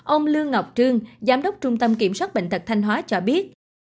ông lương ngọc trương giám đốc trung tâm kiểm soát bệnh tật thanh hóa cho biết